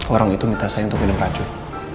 orang itu minta saya untuk minum racun